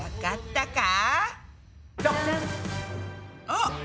あっ。